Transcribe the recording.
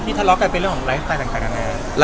ทะเลาะกันเป็นเรื่องของไลฟ์สไตลต่างกันนะครับ